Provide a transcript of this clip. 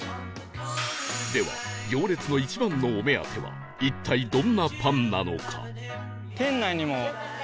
では行列の一番のお目当ては一体どんなパンなのか？